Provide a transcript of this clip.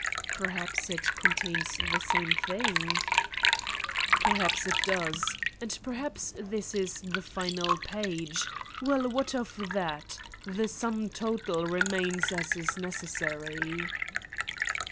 '' "Perhaps it contains the same thing?" "Perhaps it does. And perhaps this is the final page ... well, what of that : the sum total remains as is necessary."